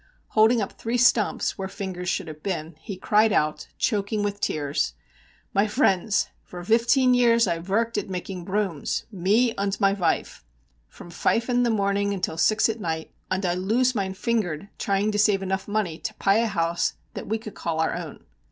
Holding up three stumps where fingers should have been, he cried out, choking with tears: "My vriends, for vifteen years I vorked at making brooms me und my vife from fife in the morning until six at night, und I loose mine fingern trying to save enough money to puy a house that we could call our own.